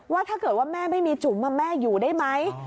ถ้าเกิดว่าแม่ไม่มีจุ๋มแม่อยู่ได้ไหม